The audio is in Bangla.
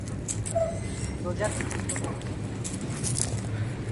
প্রজাতিটি প্রথমে।